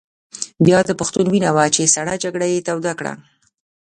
بیا د پښتون وینه وه چې سړه جګړه یې توده کړه.